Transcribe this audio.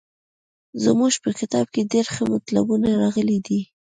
زموږ په کتاب کې ډېر ښه مطلبونه راغلي دي.